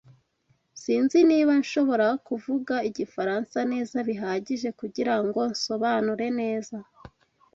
Sinzi niba nshobora kuvuga Igifaransa neza bihagije kugirango nsobanure neza.